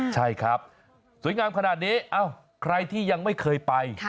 ใช่ครับสวยงามขนาดนี้ใครที่ยังไม่เคยไป